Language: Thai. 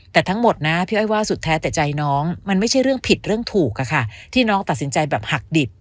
แต่ทั้งหมดนะพี่อ้อยว่าสุดแท้แต่ใจน้องมันไม่ใช่เรื่องผิดเรื่องถูกอะค่ะที่น้องตัดสินใจแบบหักดิบ